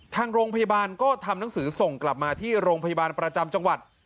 ทางโรงพยาบาลก็ทำหนังสือส่งกลับมาที่โรงพยาบาลประจำจังหวัด